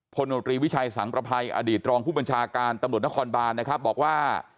โนตรีวิชัยสังประภัยอดีตรองผู้บัญชาการตำรวจนครบานนะครับบอกว่า